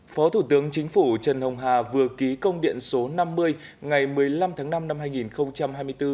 phó thủ tướng chính phủ trần hồng hà vừa ký công điện số năm mươi ngày một mươi năm tháng năm năm hai nghìn hai mươi bốn